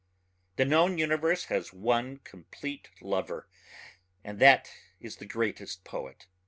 The known universe has one complete lover and that is the greatest poet.